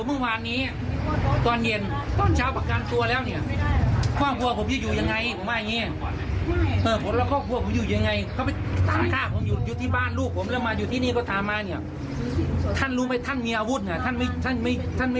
ผมจะต้องขออนุญาตบันทึกแจ้งความ